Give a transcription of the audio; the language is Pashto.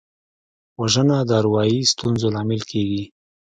وژنه د اروايي ستونزو لامل کېږي